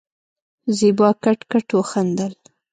زېبا کټ کټ وخندل.